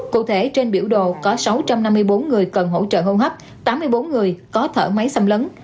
cụ thể trên biểu đồ có sáu trăm năm mươi bốn người cần hỗ trợ hô hấp tám mươi bốn người có thở máy xâm lấn